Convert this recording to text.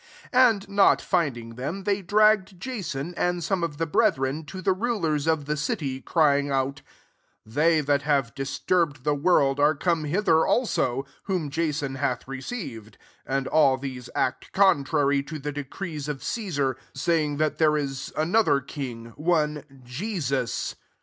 6 And not finding them, they dragged Jason, and some of the brethren, to the rulers of the city, crying out, "They that have disturb ed the world, are come hither also ; 7 whom Jason hath receiv ed : and all these act contrary to the decrees of Cesar, saying that there is another king, one Jesus."